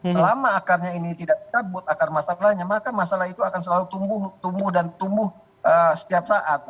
selama akarnya ini tidak dicabut akar masalahnya maka masalah itu akan selalu tumbuh dan tumbuh setiap saat